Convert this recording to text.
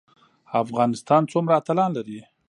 افغانستان څومره اتلان لري؟